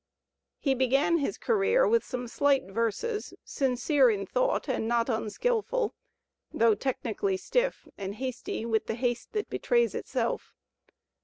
| He began his career with some slight verses, sincere in thought and not unskilful, though technically stiff and hasty with the haste that betrays itself.